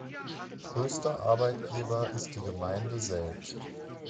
Größter Arbeitgeber ist die Gemeinde selbst.